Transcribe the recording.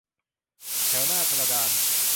แถวหน้ากระดาน